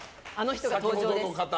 先ほどの方。